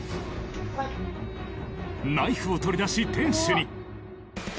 ナイフを取り出し店主に！